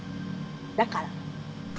だから。